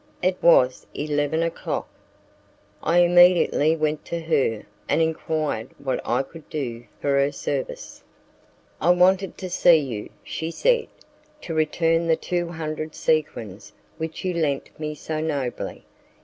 It was eleven o'clock; I immediately went to her, and enquired what I could do for her service. "I wanted to see you," she said, "to return the two hundred sequins which you lent me so nobly.